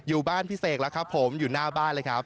อยู่บ้านพี่เสกแล้วครับผมอยู่หน้าบ้านเลยครับ